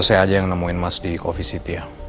saya aja yang nemuin mas di covisit ya